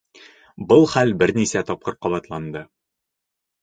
Был хәл бер нисә тапҡыр ҡабатланды.